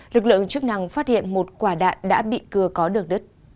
lực lượng chức năng phát hiện một quả đạn đã bị cưa có đường đất